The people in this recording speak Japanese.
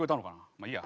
まあいいや。